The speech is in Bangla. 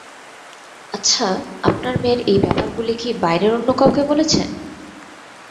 আচ্ছা, আপনার মেয়ের এই ব্যাপারগুলি কি বাইরের অন্য কাউকে বলেছেন?